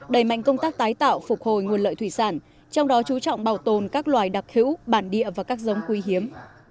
đẩy mạnh công tác tái tạo phục hồi nguồn lợi thủy sản trong đó chú trọng bảo tồn các loài đặc hữu bản địa và các giống quý hiếm